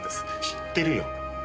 知ってるよ。